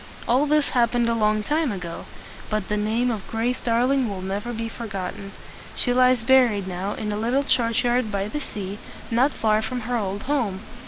All this happened a long time ago, but the name of Grace Darling will never be forgotten. She lies buried now in a little church yard by the sea, not far from her old home.